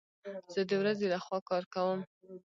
زه د ورځي لخوا کار کوم